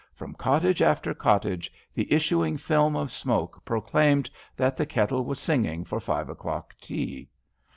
From cottage after cottage the issuing film of smoke proclaimed that the kettle was singing for five o'clock tea.